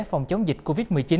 phòng chống dịch covid một mươi chín